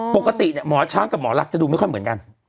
ปกติเนี่ยหมอช้างกับหมอลักษณ์จะดูไม่ค่อยเหมือนกัน